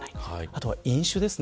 あとは飲酒です。